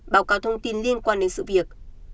báo cáo thông tin liên quan đến sự việc